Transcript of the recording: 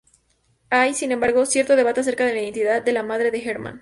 Hay, sin embargo, cierto debate acerca de la identidad de la madre de Herman.